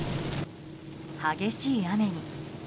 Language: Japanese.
激しい雨に。